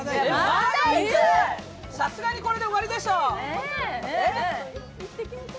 さすがにこれで終わりでしょ。